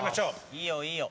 いいよいいよ。